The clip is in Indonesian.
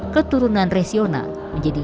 keturunan resiona menjadi